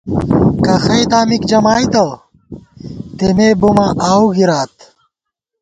کخئ دامِک جمائیدہ ، تېمےبُماں آؤو گِرات